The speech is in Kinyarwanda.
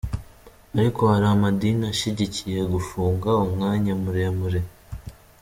Ariko hari amadini ashigikiye gufunga umwanya muremure.